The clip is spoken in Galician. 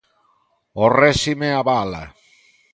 O réxime abala.